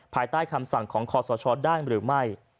ภายใต้คำสั่งของคอสชได้หรือไม่